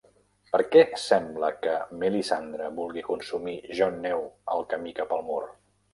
Per què sembla que Melissandre vulgui consumir Jon Neu al camí cap al mur?